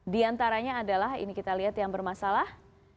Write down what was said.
di antaranya adalah ini kita lihat yang bermasalah